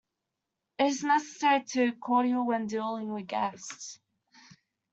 It is necessary to be cordial when dealing with guests.